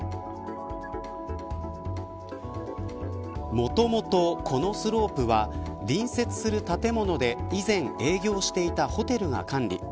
もともとこのスロープは隣接する建物で以前営業していたホテルが管理。